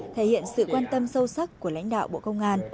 thể hiện sự quan tâm sâu sắc của lãnh đạo bộ công an